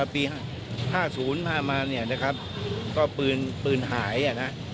ปี๕๐พามาเนี่ยนะครับก็ปืนหายนะ